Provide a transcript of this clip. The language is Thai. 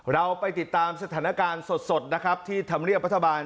เราไปติดตามสถานการณ์สดนะครับที่ธรรมเนียบรัฐบาล